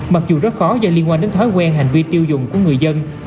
mặc dù rất khó do liên quan đến thói quen hành vi tiêu dùng của người dân